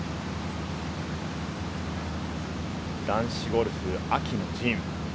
男子ゴルフ秋の陣。